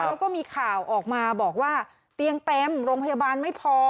แล้วก็มีข่าวออกมาบอกว่าเตียงเต็มโรงพยาบาลไม่พอ